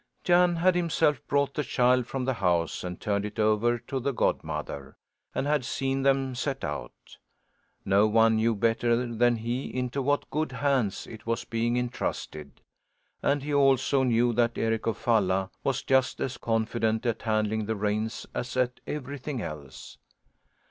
Jan had himself brought the child from the house and turned it over to the godmother, and had seen them set out. No one knew better than he into what good hands it was being intrusted. And he also knew that Eric of Falla was just as confident at handling the reins as at everything else.